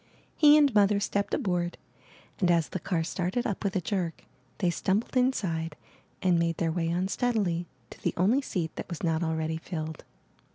He and Mother stepped aboard, and, as the car started up with a jerk, they stumbled inside and made their way unsteadily to the only seat that was not already filled.